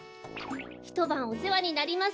ひとばんおせわになります。